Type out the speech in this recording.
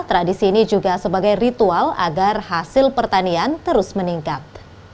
tradisi ini juga sebagai ritual agar hasil pertanian terus meningkat